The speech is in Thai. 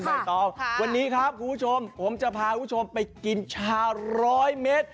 ใบตองวันนี้ครับคุณผู้ชมผมจะพาคุณผู้ชมไปกินชาร้อยเม็ด